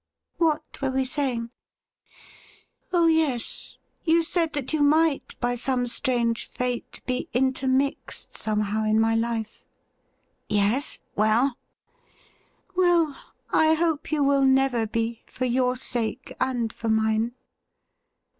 ' What were we saying ? Oh yes, you said that you might by some strange fate be intermixed somehow in my life.' ' Yes— well ?'' Well, I hope you will never be, for your sake and for mine.